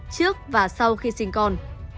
trước và sau khi sinh con